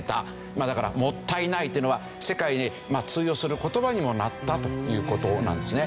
だから「もったいない」っていうのは世界に通用する言葉にもなったという事なんですね。